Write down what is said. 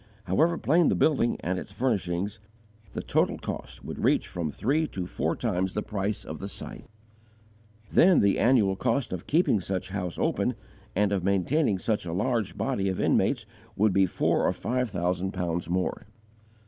However plain the building and its furnishings, the total cost would reach from three to four times the price of the site. Then, the annual cost of keeping such house open and of maintaining such a large body of inmates would be four or five thousand pounds more.